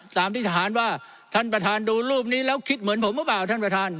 ตามที่ทหารว่าท่านประธานดูรูปนี้แล้วคิดเหมือนผมหรือเปล่าท่านประธาน